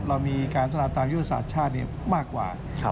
เรามีการพัฒนาตามยุทธศาสตร์ชาติมากกว่า